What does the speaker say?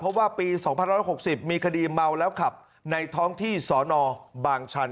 เพราะว่าปี๒๑๖๐มีคดีเมาแล้วขับในท้องที่สนบางชัน